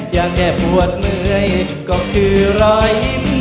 อยากแค่ปวดเมื่อยก็คือรอยยิ้ม